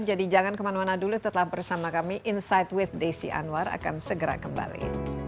jadi jangan kemana mana dulu tetap bersama kami insight with desi anwar akan segera kembali